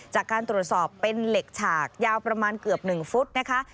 จากการตรวจสอบเป็นเหล็กฉากยาวประมาณเกือบ๑ฟุตนะคะ